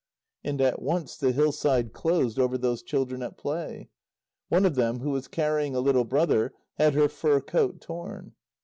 And at once the hillside closed over those children at play. One of them, who was carrying a little brother, had her fur coat torn.